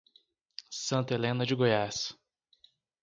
Santa Helena de Goiás